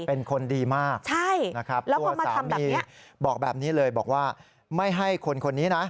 เป็นคนดีมากนะครับตัวสามีบอกแบบนี้เลยบอกว่าไม่ให้คนคนนี้นะ